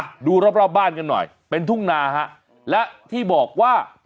ดูรอบรอบบ้านกันหน่อยเป็นทุ่งนาฮะและที่บอกว่า